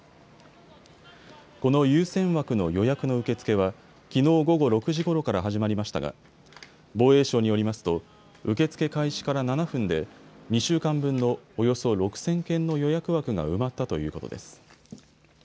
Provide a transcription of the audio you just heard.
この優先枠の予約の受け付けはきのう午後６時ごろから始まりましたが防衛省によりますと受け付け開始から７分で２週間分のおよそ６０００件の予約枠が埋まったということです。